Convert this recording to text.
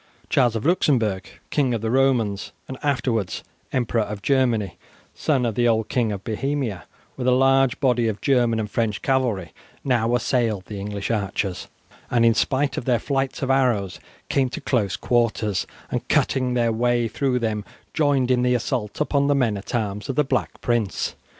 Charles of Luxembourg, King of the Romans, and afterwards Emperor of Germany, son of the old King of Bohemia, with a large body of German and French cavalry, now assailed the English archers, and in spite of their flights of arrows came to close quarters, and cutting their way through them joined in the assault upon the men at arms of the Black Prince.